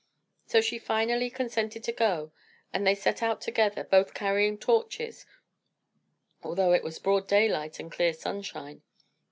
So she finally consented to go, and they set out together, both carrying torches, although it was broad daylight and clear sunshine.